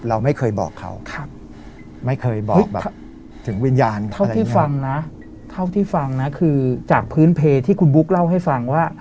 เราไม่เคยบอกเขาไม่เคยบอกแบบถึงวิญญาณเขาเท่าที่ฟังนะเท่าที่ฟังนะคือจากพื้นเพที่คุณบุ๊กเล่าให้ฟังว่า